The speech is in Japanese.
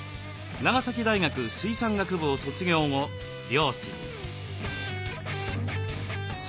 長崎大学水産学部を卒業後漁師に。